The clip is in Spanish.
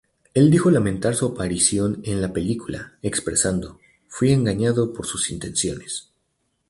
Él dijo lamentar su aparición en la película, expresando "fui engañado por sus intenciones.